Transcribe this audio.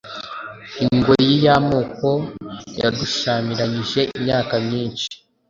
ingoyi y amoko yadushyamiranyije imyaka myinshi